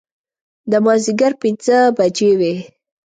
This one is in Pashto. د مازدیګر پنځه بجې وې.